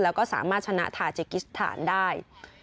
แล้วก็สามารถชนะทาจิกิสถานได้